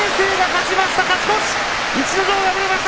勝ち越し。